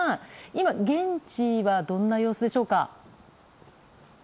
今、現地はどんな様子でしょうか？